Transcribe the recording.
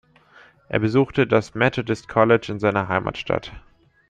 Er besuchte das "Methodist College" in seiner Heimatstadt.